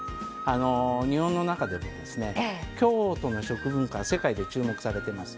日本の中でもですね京都の食文化は世界で注目されてます。